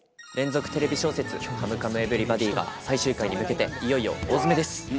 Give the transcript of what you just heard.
連続テレビ小説「カムカムエヴリバディ」が最終回に向けていよいよ大詰めです。